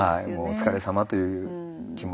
お疲れさまという気持ちでしたし。